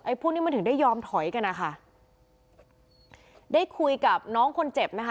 พวกนี้มันถึงได้ยอมถอยกันนะคะได้คุยกับน้องคนเจ็บไหมคะ